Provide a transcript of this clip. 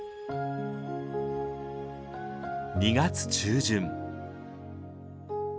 ２月中旬。